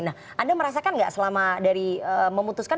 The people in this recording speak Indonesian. nah anda merasakan nggak selama dari memutuskan